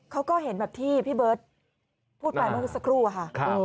เขาก็เห็นแบบที่พี่เบิร์ตพูดไปเมื่อสักครู่อะค่ะ